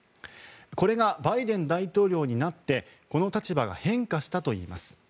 これがバイデン大統領になってこの立場が変化したといいます。